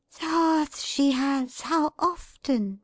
"The hearth she has how often!